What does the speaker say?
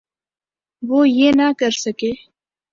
وہ یہ نہ کر سکے۔